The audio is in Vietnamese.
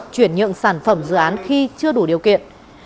chuyển nhượng sản phẩm dự án khi chưa đủ điều kiện